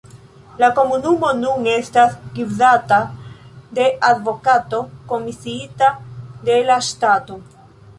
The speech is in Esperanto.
La komunumo nun estas gvidata de advokato komisiita de la ŝtato.